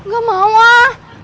gak mau ah